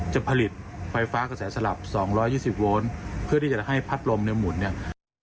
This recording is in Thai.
จะผลิตไฟฟ้ากระแสสลับสองร้อยยี่สิบโวลต์เพื่อที่จะให้พัดลมเนื้อหมุนเนี่ย